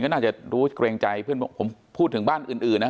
ก็น่าจะรู้เกรงใจเพื่อนผมพูดถึงบ้านอื่นนะ